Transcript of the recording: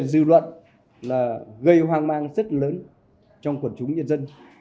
dư luận là gây hoang mang rất lớn trong quần chúng nhân dân